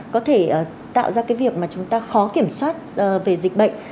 có thể tạo ra cái việc mà chúng ta khó kiểm soát về dịch bệnh